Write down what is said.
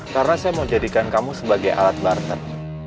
karena saya mau jadikan kamu sebagai alat barter